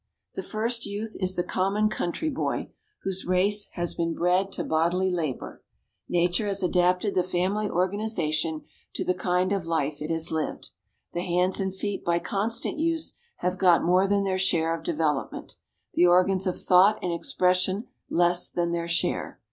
The first youth is the common country boy, whose race has been bred to bodily labor. Nature has adapted the family organization to the kind of life it has lived. The hands and feet by constant use have got more than their share of development, the organs of thought and expression less than their share.